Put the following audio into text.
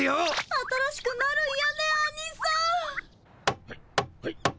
新しくなるんやねアニさん。